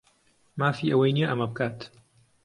مافی ئەوەی نییە ئەمە بکات.